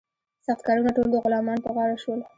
سخت کارونه ټول د غلامانو په غاړه شول.